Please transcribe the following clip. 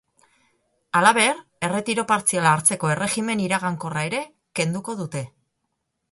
Halaber, erretiro partziala hartzeko erregimen iragankorra ere kenduko dute.